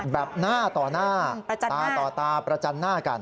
แบบหน้าต่อหน้าตาต่อตาประจันหน้ากัน